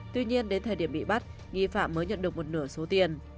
tuy nhiên đến thời điểm bị bắt nghi phạm mới nhận được một nửa số tiền